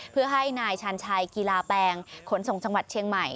เพื่อให้นายชาญชัยกีฬาแปลงขนส่งจังหวัดเชียงใหม่